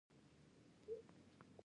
هوا د افغانستان د سیاسي جغرافیه برخه ده.